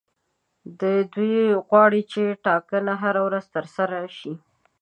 دوی غواړي چې ټاکنې هره ورځ ترسره شي.